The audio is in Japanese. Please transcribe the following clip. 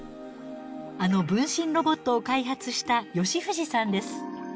あの分身ロボットを開発した吉藤さんです。